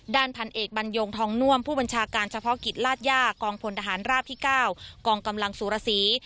พันเอกบัญโยงทองน่วมผู้บัญชาการเฉพาะกิจลาดย่ากองพลทหารราบที่๙กองกำลังสุรสี